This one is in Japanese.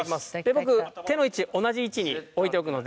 僕手の位置同じ位置に置いておくので。